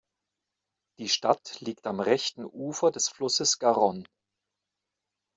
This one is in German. Die Stadt liegt am rechten Ufer des Flusses Garonne.